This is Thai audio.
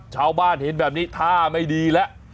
ชาวบ้านเห็นแบบนี้ท่าไม่ดีแล้ว